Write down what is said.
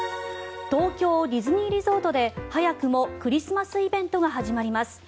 東京ディズニーリゾートで早くもクリスマスイベントが始まります。